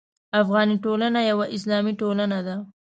افغاني ټولنه یوه اسلامي ټولنه ده.